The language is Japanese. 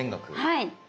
はい。